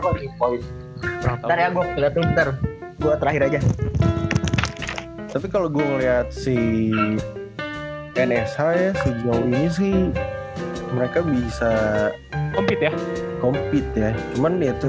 terakhir aja tapi kalau gue ngeliat sih ns saya sejauh ini sih mereka bisa kompit ya cuman itu